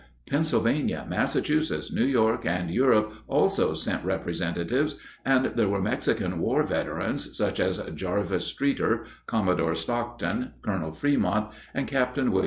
Pennsylvania, Massachusetts, New York, and Europe also sent representatives, and there were Mexican War veterans, such as Jarvis Streeter, Commodore Stockton, Colonel Fremont, and Capt. Wm.